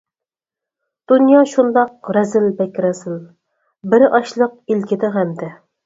دۇنيا شۇنداق رەزىل بەك رەزىل، بىرى ئاچلىق ئىلكىدە غەمدە.